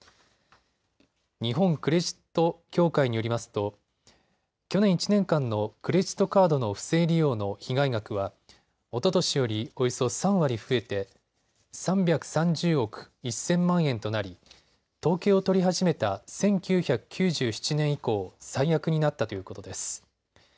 日本クレジット協会によりますと去年１年間のクレジットカードの不正利用の被害額はおととしよりおよそ３割増えて３３０億１０００万円となり統計を取り始めた１９９７年以降、最悪になったということです。